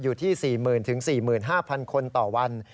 อยู่ที่๔๐๐๐๔๕๐๐คนต่อวัน